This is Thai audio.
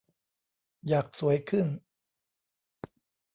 อยากสวยขึ้น